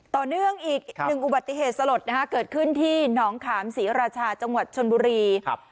ต่อเนื่องอีก๑อุบัติเหตุสลดนะครับเกิดขึ้นที่น้องขามศรีราชาจังหวัดชนบุรี